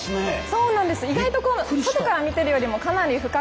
そうなんです